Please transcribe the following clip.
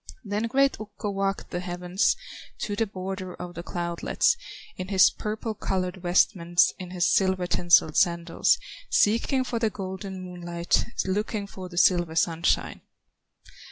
Then great Ukko walked the heavens, To the border of the cloudlets, In his purple colored vestments, In his silver tinselled sandals, Seeking for the golden moonlight, Looking for the silver sunshine.